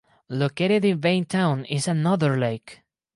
Located in Bain Town is another lake.